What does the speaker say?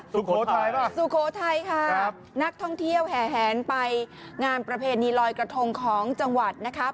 สุโขทัยป่ะสุโขทัยค่ะนักท่องเที่ยวแห่แหนไปงานประเพณีลอยกระทงของจังหวัดนะครับ